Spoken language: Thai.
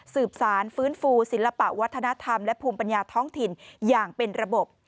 สืบสารฟื้นฟูศิลปะวัฒนธรรมและภูมิปัญญาท้องถิ่นอย่างเป็นระบบ